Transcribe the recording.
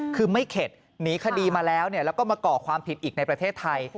คือไม่เข็ดหนีคดีมาแล้วแล้วก็มาก่อความผิดอีกในประเทศไทย